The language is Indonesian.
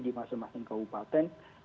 di masing masing kabupaten